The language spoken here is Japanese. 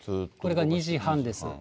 これが２時半です。